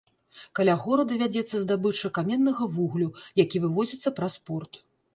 Каля горада вядзецца здабыча каменнага вуглю, які вывозіцца праз порт.